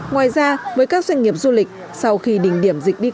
ngoài ra với các doanh nghiệp du lịch sau khi đỉnh điểm dịch điện